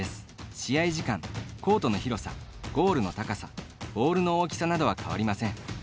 試合時間、コートの広さゴールの高さボールの大きさなどは変わりません。